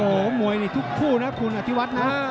โอ้โหมวยนี่ทุกคู่นะคุณอธิวัฒน์นะ